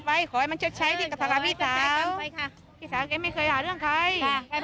พี่สาวเธอไม่เคยหาเรื่องใคร